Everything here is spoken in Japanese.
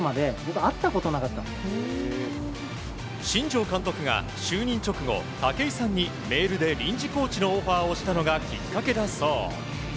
新庄監督が就任直後武井さんにメールで臨時コーチのオファーをしたのがきっかけだそう。